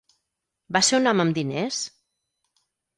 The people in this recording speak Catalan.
Va ser un home amb diners?